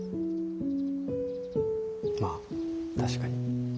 まあ確かに。